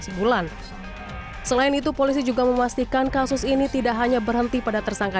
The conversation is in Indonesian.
sebulan selain itu polisi juga memastikan kasus ini tidak hanya berhenti pada tersangka